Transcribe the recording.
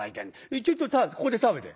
ちょいとここで食べて」。